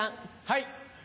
はい。